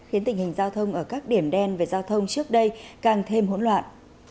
khiến tình hình giao thông ở các điểm đen về giao thông trước đây càng thêm hỗn loạn